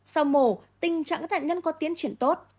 sau mổ tình trạng các nạn nhân có tiến triển tốt